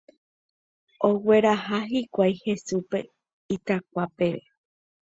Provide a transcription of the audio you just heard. Ogueraha hikuái Hesúpe itakua peve